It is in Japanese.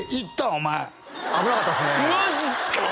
お前危なかったっすねマジっすか？